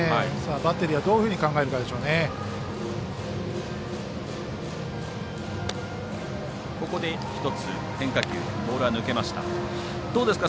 バッテリーはどういうふうに考えるかでしょうね。